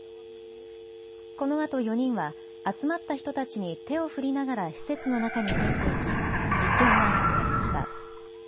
このあと４人は集まった人たちに手を振りながら施設の中に入っていき実験が始まりました。